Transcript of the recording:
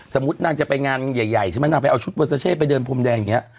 สมมุตินางจะไปงานใหญ่ใช่ไหมนางไปเอาชุดเปอร์ซาเช่ไปเดินพรมแดงอย่างนี้